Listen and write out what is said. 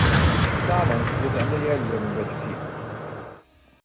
Garland studierte an der Yale University.